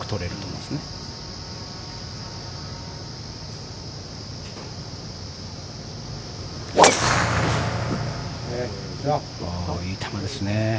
いい球ですね。